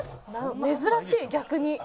珍しい逆に。